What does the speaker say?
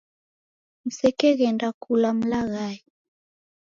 Msekeghenda kula mlaghae.